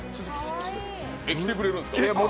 着てくれるんですか？